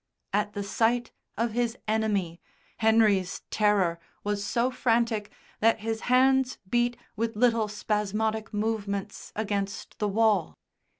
At the sight of his enemy Henry's terror was so frantic that his hands beat with little spasmodic movements against the wall.